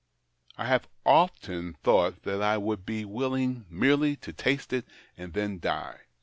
I have often thought that I would be willing merely to taste it and then die.